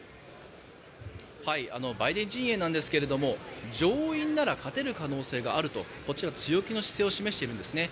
バイデン陣営ですが上院なら勝てる可能性があるとこちら、強気の姿勢を示しているんですね。